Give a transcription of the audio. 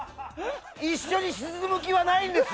一緒に進む気はないんです。